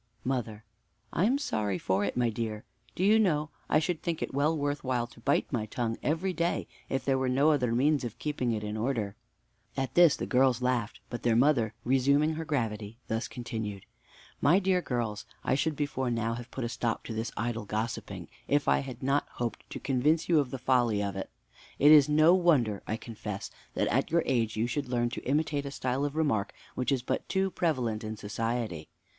Mother. I am sorry for it, my dear. Do you know, I should think it well worth while to bite my tongue every day if there were no other means of keeping it in order. At this the girls laughed; but their mother, resuming her gravity, thus continued: "My dear girls, I should before now have put a stop to this idle gossiping, if I had not hoped to convince you of the folly of it. It is no wonder, I confess, that at your age you should learn to imitate a style of remark which is but too prevalent in society.